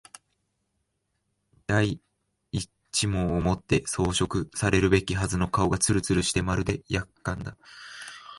第一毛をもって装飾されるべきはずの顔がつるつるしてまるで薬缶だ